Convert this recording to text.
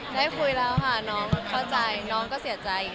ได้คุยแล้วค่ะน้องเข้าใจน้องก็เสียใจ